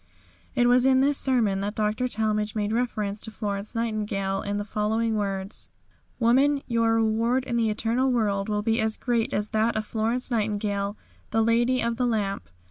It was in this sermon that Dr. Talmage made reference to Florence Nightingale, in the following words: "Women, your reward in the eternal world will be as great as that of Florence Nightingale, the Lady of the Lamp."